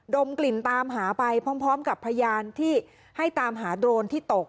ดมกลิ่นตามหาไปพร้อมกับพยานที่ให้ตามหาโดรนที่ตก